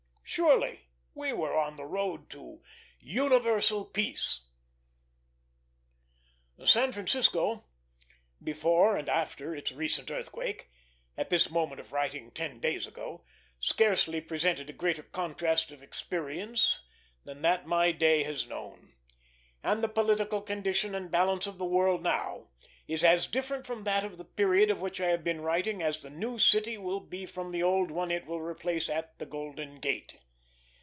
Surely we were on the road to universal peace. San Francisco before and after its recent earthquake at this moment of writing ten days ago scarcely presented a greater contrast of experience than that my day has known; and the political condition and balance of the world now is as different from that of the period of which I have been writing as the new city will be from the old one it will replace at the Golden Gate.